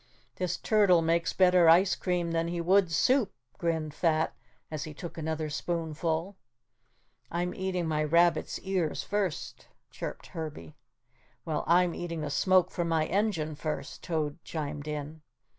"This turtle makes better ice cream than he would soup," grinned Fat as he took another spoonfull. "I'm eating my rabbit's ears first," chirped Herbie. "Well, I'm eating the smoke from my engine, first," Toad chimed in.